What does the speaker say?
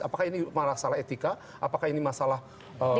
apakah ini masalah etika apakah ini masalah